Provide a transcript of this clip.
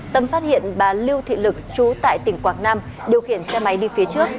tâm phát hiện bà lưu thị lực chú tại tỉnh quảng nam điều khiển xe máy đi phía trước